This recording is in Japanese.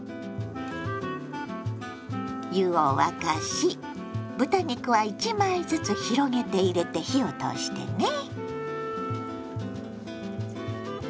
湯を沸かし豚肉は１枚ずつ広げて入れて火を通してね。